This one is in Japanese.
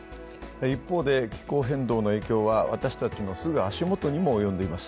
一方で気候変動の影響は私たちのすぐ足元にも及んでいます。